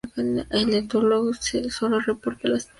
El Ethnologue solo reporta las primeras tres.